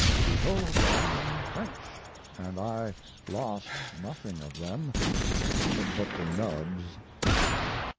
He told them in French, and I lost nothing of them but the nubs.